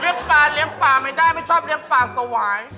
ปลาเลี้ยงป่าไม่ได้ไม่ชอบเลี้ยงปลาสวาย